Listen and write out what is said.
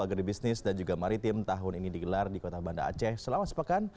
agar di bisnis dan juga maritim tahun ini digelar di kota banda aceh selama sepekan